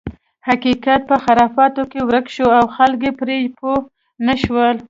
حقیقت په خرافاتو کې ورک شو او خلک یې پرې پوه نه شول.